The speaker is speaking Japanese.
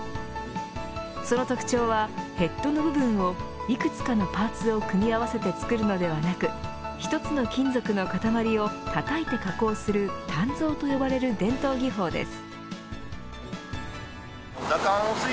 その特徴はヘッドの部分をいくつかのパーツを組み合わせて作るのではなく１つの金属の塊をたたいて加工する鍛造と呼ばれる伝統技法です。